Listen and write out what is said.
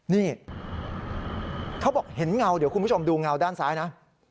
นี่เขาบอกเห็นเงาเดี๋ยวคุณผู้ชมดูเงาด้านซ้ายนะ